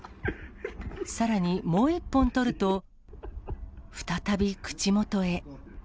さらにもう１本取ると、再び口元へ。